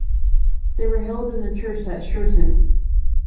They were held in the church at Shroton.